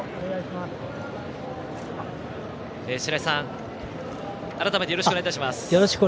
白井さん、改めてよろしくお願いします。